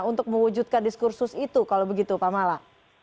untuk mewujudkan diskursus itu kalau begitu pak mala